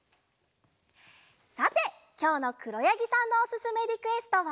さてきょうのくろやぎさんのおすすめリクエストは。